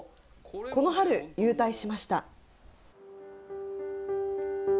この春、勇退しました。